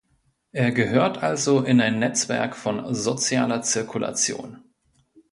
Er gehört also in ein "Netzwerk" von "sozialer Zirkulation".